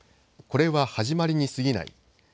これは始まりにすぎない。